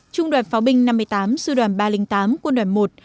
trung đoàn pháo binh năm mươi tám sư đoàn ba trăm linh tám quân đoàn một